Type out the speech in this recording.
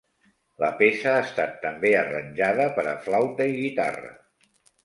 La peça ha estat també arranjada per a flauta i guitarra.